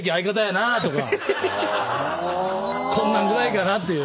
こんなんぐらいかなっていう。